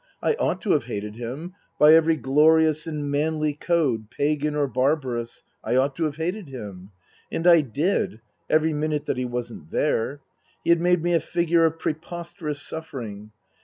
I ought to have hated him by every glorious and manly code, pagan or barbarous, I ought to have hated him. And I did every minute that he wasn't there. He had made me a figure of preposterous suffering.